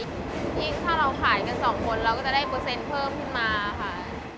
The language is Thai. ยิ่งถ้าเราขายกันสองคนเราก็จะได้เปอร์เซ็นต์เพิ่มขึ้นมาค่ะ